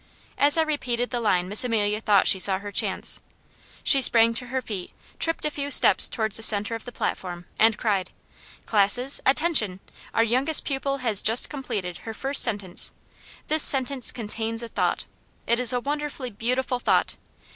As I repeated the line Miss Amelia thought she saw her chance. She sprang to her feet, tripped a few steps toward the centre of the platform, and cried: "Classes, attention! Our Youngest Pupil has just completed her first sentence. This sentence contains a Thought. It is a wonderfully beautiful Thought.